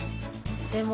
でも。